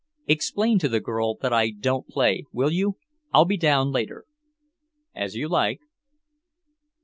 "Explain to the girl that I don't play, will you? I'll be down later." "As you like."